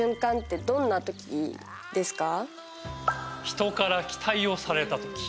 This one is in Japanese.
「人から期待をされたとき」。